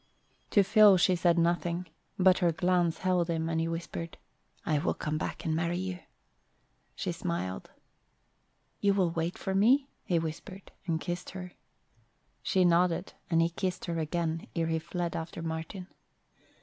To Phil she said nothing but her glance held him, and he whispered, "I will come back and marry you." She smiled. "You will wait for me?" he whispered, and kissed her. She nodded and he kissed her again ere he fled after Martin.